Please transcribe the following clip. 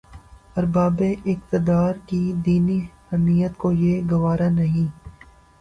اربابِ اقتدارکی دینی حمیت کو یہ گوارا نہیں